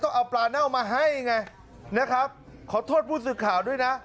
เอาปลาเน่ามาให้ไงนะครับขอโทษผู้สื่อข่าวด้วยนะ